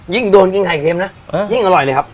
ยิ่งโดนยิ่งไข่เค็มนะยิ่งอร่อยเลยครับ